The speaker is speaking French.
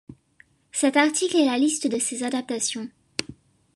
Cet article est la liste de ces adaptations.